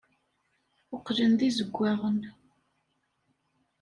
Qqlen d izewwaɣen.